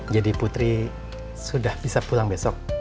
jadi putri sudah bisa pulang besok